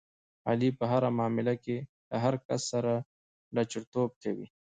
علي په هره معامله کې له هر کس سره لچرتوب کوي.